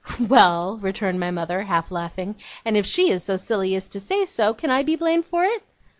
'Well,' returned my mother, half laughing, 'and if she is so silly as to say so, can I be blamed for it?